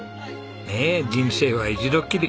ねえ人生は一度きり。